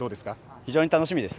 非常に楽しみです。